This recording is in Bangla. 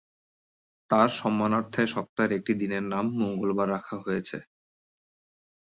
তার সম্মানার্থে সপ্তাহের একটি দিনের নাম মঙ্গলবার রাখা হয়েছে।